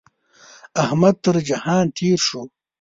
احمد تر جهان تېر شو.